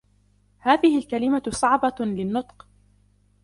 هذه الكلمة صعبة للنطق.